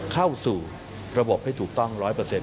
เข้าสู่ระบบให้ถูกต้อง๑๐๐